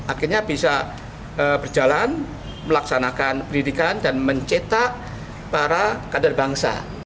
akhirnya bisa berjalan melaksanakan pendidikan dan mencetak para kader bangsa